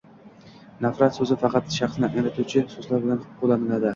Nafar soʻzi faqat shaxsni anglatuvchi soʻzlar bilan qoʻllanadi